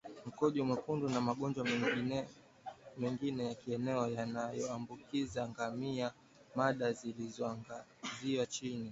mkojo mwekundu na magonjwa mengine ya kieneo yanayoambukiza ngamia Mada zilizoangaziwa chini